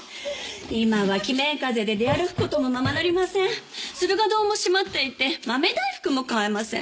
今は鬼面風邪で出歩くこともままなりません駿河堂も閉まっていて豆大福も買えません